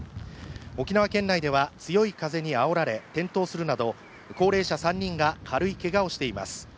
沖縄県内では強い風にあおられ転倒するなど、高齢者３人が軽いけがをしています。